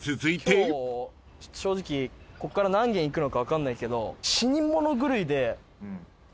今日正直ここから何軒行くのか分かんないけど。